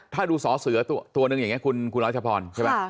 ถ้าดูสอเสือตัวนึงอย่างนี้คุณราชพร